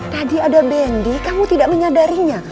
tadi ada bendy kamu tidak menyadarinya